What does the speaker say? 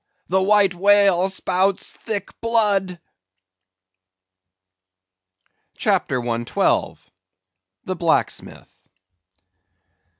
the White Whale spouts thick blood!" CHAPTER 112. The Blacksmith.